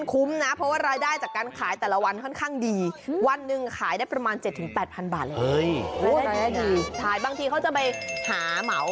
ก็จะไปรับเหมาและเก็บมา